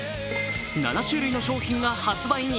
７種類の商品が発売に。